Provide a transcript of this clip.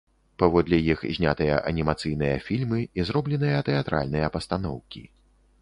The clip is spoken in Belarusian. Паводле іх знятыя анімацыйныя фільмы і зробленыя тэатральныя пастаноўкі.